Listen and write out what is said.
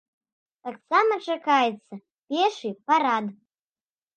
Таксама чакаецца пешы парад.